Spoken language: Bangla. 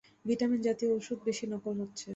ভিটামিন জাতীয় ওষুধই বেশি নকল হচ্ছে।